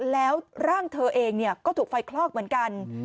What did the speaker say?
แล้วร่างเธอเองก็ถูกไฟคลอกเหมือนกัน